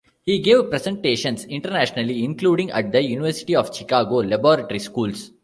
He gave presentations internationally including at the University of Chicago Laboratory Schools.